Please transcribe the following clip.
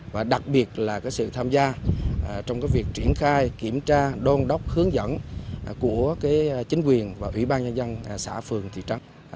và đặc biệt là sự tham gia trong việc triển khai kiểm tra đôn đốc hướng dẫn của chính quyền và ủy ban nhân dân xã phường thị trấn